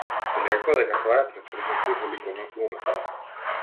Би рекла дека тоа е пресвртница и во ликовната уметност.